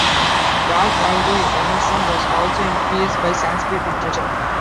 Ralph Waldo Emerson was also influenced by Sanskrit literature.